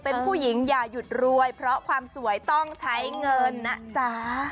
เป็นผู้หญิงอย่าหยุดรวยเพราะความสวยต้องใช้เงินนะจ๊ะ